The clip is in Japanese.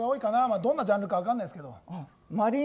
どんなジャンルか分かんないですけど。